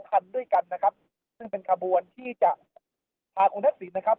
กินดอนเมืองในช่วงเวลาประมาณ๑๐นาฬิกานะครับ